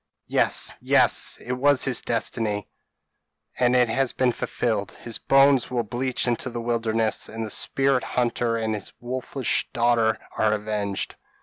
Yes! yes! it was his destiny, and it has been fulfilled. His bones will bleach in the wilderness, and the spirit hunter and his wolfish daughter are avenged."